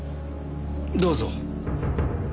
どうぞ。